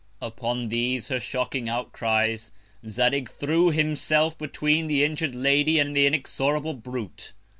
Upon these her shocking Outcries, Zadig threw himself between the injur'd Lady and the inexorable Brute.